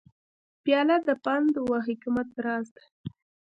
پیاله د پند و حکمت راز ده.